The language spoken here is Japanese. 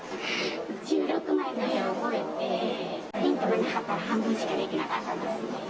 １６枚の絵を覚えて、ヒントがなかったら半分しかできなかったですね。